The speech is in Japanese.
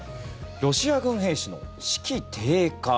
ロシア軍兵士の士気低下。